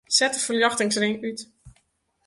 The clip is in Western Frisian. Set de ferljochtingsring út.